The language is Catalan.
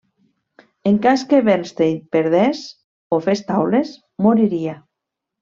En cas que Bernstein perdés o fes taules, moriria.